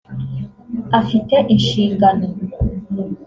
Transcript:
afite inshingano